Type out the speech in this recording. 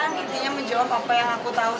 intinya menjawab apa yang aku tahu